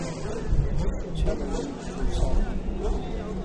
ہنچھا ننگی چلساں